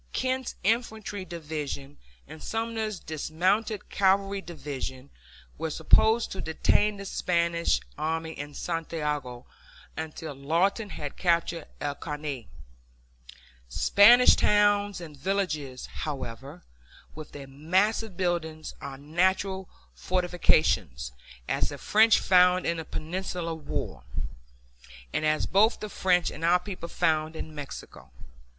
Kent's infantry division and Sumner's dismounted cavalry division were supposed to detain the Spanish army in Santiago until Lawton had captured El Caney. Spanish towns and villages, however, with their massive buildings, are natural fortifications, as the French found in the Peninsular War, and as both the French and our people found in Mexico.